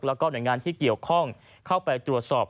แล้วก็หน่วยงานที่เกี่ยวข้องเข้าไปตรวจสอบ